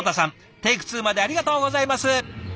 テイク２までありがとうございます。